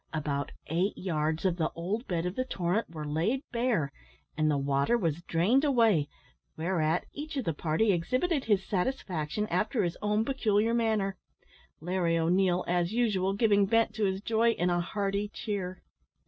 About eight yards of the old bed of the torrent were laid bare, and the water was drained away, whereat each of the party exhibited his satisfaction after his own peculiar manner Larry O'Neil, as usual, giving vent to his joy in a hearty cheer.